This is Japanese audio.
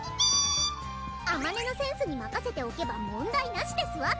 「あまねのセンスにまかせておけば問題なしですわ！」